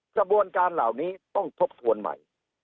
กระบวนการเหล่านี้ต้องทบทวนใหม่